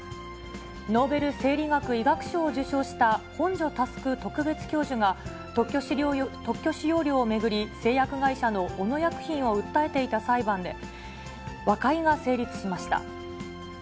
ノーベル生理学・医学賞を受賞した本庶佑特別教授が、特許使用料を巡り、製薬会社の小野薬品を訴えていた裁判で、和解が成立しました。